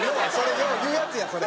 よう言うやつやそれ。